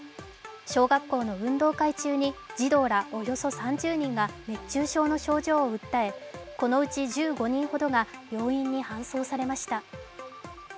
小学校の運動会中に児童らおよそ３０人が熱中症の症状を訴え、このうち１５人ほどが病院に搬送されました。